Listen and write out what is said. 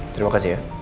terima kasih ya